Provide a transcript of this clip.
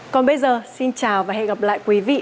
còn bây giờ xin chào và hẹn gặp lại quý vị